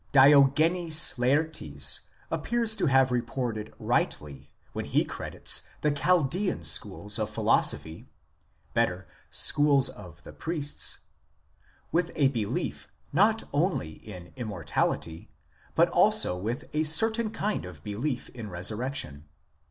Diogenes Laertes appears to have reported rightly when he credits the Chaldsean schools of philosophy (better, schools of the priests) with a belief not only in immortality, but also with a certain kind of belief in resurrection.